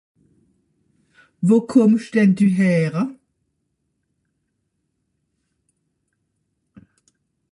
Wo kùmmsch denn dü häre?